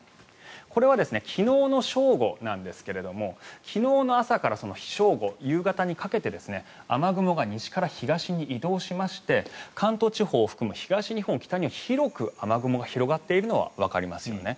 これは昨日の正午なんですが昨日の朝から正午、夕方にかけて雨雲が西から東に移動しまして関東・甲信を含む東日本、北日本に広く雨雲が広がっているのがわかりますよね。